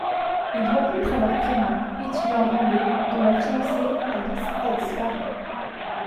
Il rencontre alors Clément, étudiant rwandais, dont la fiancée, Alice, a disparu.